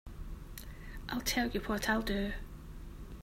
I'll tell you what I'll do.